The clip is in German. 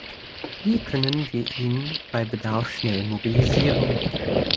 Wie können wir ihn bei Bedarf schnell mobilisieren?